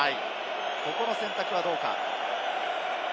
この選択はどうか？